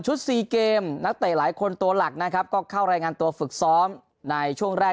๔เกมนักเตะหลายคนตัวหลักนะครับก็เข้ารายงานตัวฝึกซ้อมในช่วงแรก